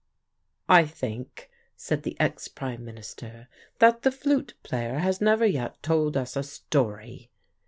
"I think," said the ex Prime Minister, "that the flute player has never yet told us a story."